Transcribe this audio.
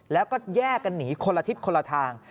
แล้วก็แยกกันหนีคนละทิศคนละทาง